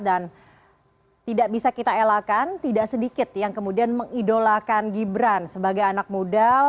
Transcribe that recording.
dan tidak bisa kita elakan tidak sedikit yang kemudian mengidolakan gibran sebagai anak muda